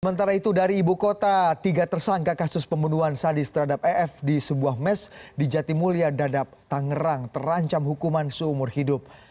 sementara itu dari ibu kota tiga tersangka kasus pembunuhan sadis terhadap ef di sebuah mes di jatimulya dadap tangerang terancam hukuman seumur hidup